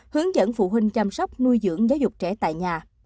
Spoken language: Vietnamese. hướng dẫn phụ huynh chăm sóc nuôi dưỡng giáo dục trẻ tại nhà